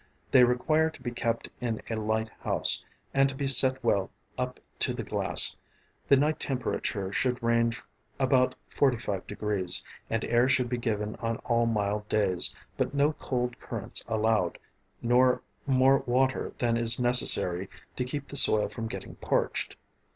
They require to be kept in a light house, and to be set well up to the glass; the night temperature should range about 45┬░; and air should be given on all mild days, but no cold currents allowed, nor more water than is necessary to keep the soil from getting parched.